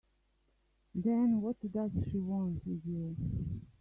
Then what does she want with you?